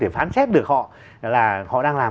thể phán xét được họ là họ đang làm